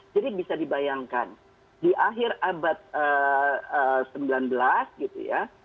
jadi bisa dibayangkan di akhir abad sembilan belas gitu ya